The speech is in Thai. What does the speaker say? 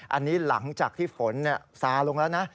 อันนี้หลังจากที่ฝนซาลงแล้วนะ